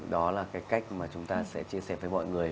đó là cái cách mà chúng ta sẽ chia sẻ với mọi người